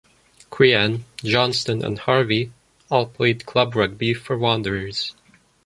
Crean, Johnston and Harvey all played club rugby for Wanderers.